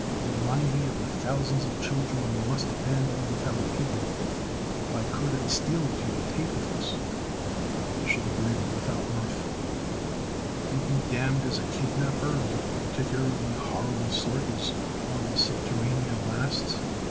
They remind me of the thousands of children we must abandon with our people. If I could, I'd steal a few to take with us." Mich'l grinned without mirth. "And be damned as a kidnapper of a particularly horrible sort, as long as Subterranea lasts!"